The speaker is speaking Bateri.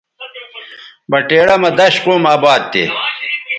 بٹیڑہ مہ دش قوم اباد تھے